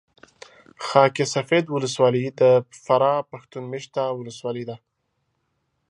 خاک سفید ولسوالي د فراه پښتون مېشته ولسوالي ده